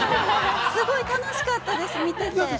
すごい楽しかったです、見てて。